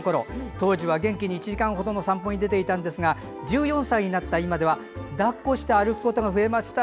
当時は元気に１時間ほどの散歩に出ていたんですが１４歳になった今ではだっこして歩くことが増えました。